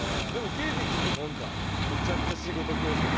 ＫＴちゃんなんかむちゃくちゃ仕事増えそう。